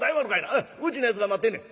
うちのやつが待ってんねん。